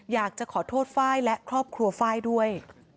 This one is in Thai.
อยากจะขอโทษไฟล์และครอบครัวไฟล์ด้วย